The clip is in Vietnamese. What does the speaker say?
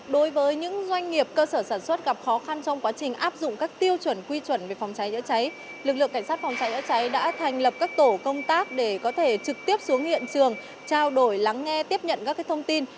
đối với những doanh nghiệp cơ sở sản xuất gặp khó khăn trong quá trình áp dụng các tiêu chuẩn quy chuẩn về phòng cháy chữa cháy lực lượng cảnh sát phòng cháy chữa cháy đã thành lập các tổ công tác để có thể trực tiếp xuống hiện trường trao đổi lắng nghe tiếp nhận các thông tin